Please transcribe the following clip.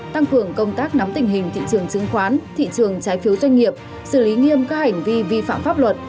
tăng cường công tác nắm tình hình thị trường chứng khoán thị trường trái phiếu doanh nghiệp xử lý nghiêm các hành vi vi phạm pháp luật